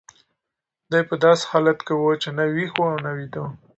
دی په داسې حالت کې و چې نه ویښ و او نه ویده.